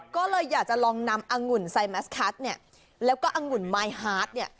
ก็เลยอยากจะลองนำอังุ่นไซมัสคัทเนี่ยแล้วก็อังุ่นมายฮาร์ดเนี่ย